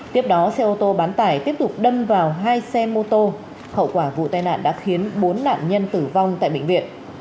tiếp đó xe ô tô bán tải tiếp tục đâm vào hai xe mô tô hậu quả vụ tai nạn đã khiến bốn nạn nhân tử vong tại bệnh viện